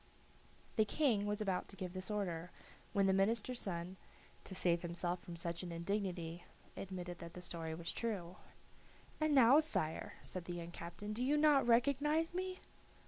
The King was about to give this order, when the minister's son, to save himself from such an indignity, admitted that the story was true. "And now, sire," said the young captain, "do you not recognize me?"